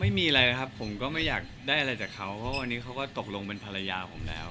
ไม่มีอะไรนะครับผมก็ไม่อยากได้อะไรจากเขาเพราะวันนี้เขาก็ตกลงเป็นภรรยาผมแล้ว